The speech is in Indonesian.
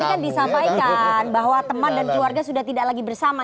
tadi kan disampaikan bahwa teman dan keluarga sudah tidak lagi bersama